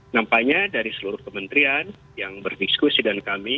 nampaknya dari seluruh kementerian yang berdiskusi dengan kami